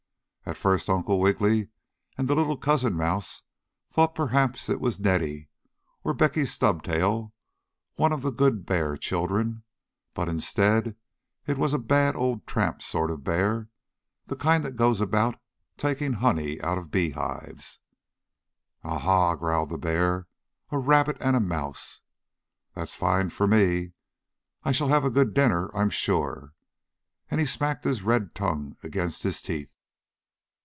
At first Uncle Wiggily and the little cousin mouse thought perhaps it was Neddie or Beckie Stubtail, one of the good bear children, but instead it was a bad old tramp sort of a bear the kind that goes about taking honey out of beehives. "Ah, ha!" growled the bear. "A rabbit and a mouse! That's fine for me! I shall have a good dinner, I'm sure!" and he smacked his red tongue against his teeth.